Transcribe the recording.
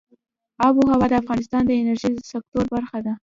آب وهوا د افغانستان د انرژۍ د سکتور برخه ده.